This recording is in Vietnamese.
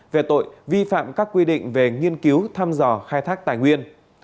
về tội vi phạm các quy định về nghiên cứu thăm dò khai thác tài nguyên